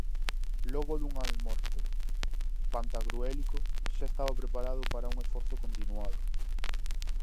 Logo dun almorzo pantagruélico xa estaba preparado para un esforzo continuado.